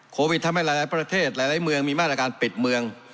ทำให้หลายประเทศหลายเมืองมีมาตรการปิดเมือง